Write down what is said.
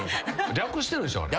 略してるでしょあれ。